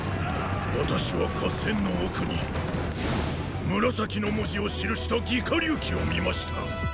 私は合戦の奥に“紫”の文字を記した魏火龍旗を見ました。